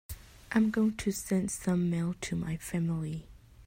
I am going to send some mail to my family.